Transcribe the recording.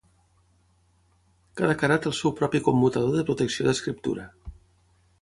Cada cara té el seu propi commutador de protecció d'escriptura.